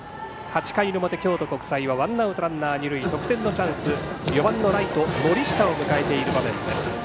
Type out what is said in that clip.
８回の表、京都国際はワンアウトランナー、二塁得点のチャンス、４番のライト森下を迎えている場面です。